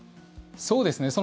そうですね。